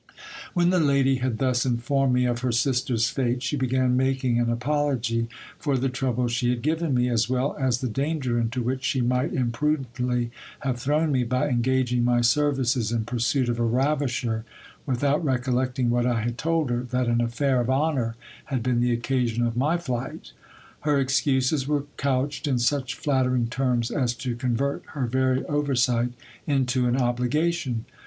When the lady had thus informed me of her sister's fate, she began making an apology for the trouble she had given me, as well as the danger into which she might imprudently have thrown me, by engaging my services in pursuit of a ravisher, without recollecting what I had told her, that an affair of honour had been the occasion of my flight. Her excuses were couched in such flattering terms, as to convert her very oversight into an obligation.